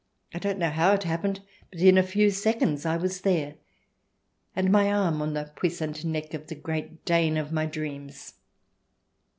I don't know how it happened, but in a few seconds I was there, and my arm on the puissant neck of the Great Dane of my dreams.